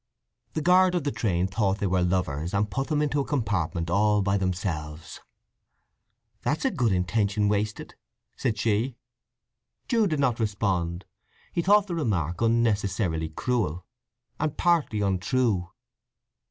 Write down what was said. The guard of the train thought they were lovers, and put them into a compartment all by themselves. "That's a good intention wasted!" said she. Jude did not respond. He thought the remark unnecessarily cruel, and partly untrue.